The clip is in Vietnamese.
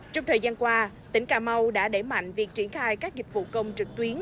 trong thời gian qua tỉnh cà mau đã đẩy mạnh việc triển khai các dịch vụ công trực tuyến